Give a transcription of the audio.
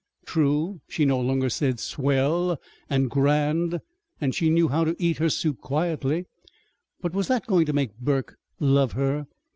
True, she no longer said "swell" and "grand," and she knew how to eat her soup quietly; but was that going to make Burke love her?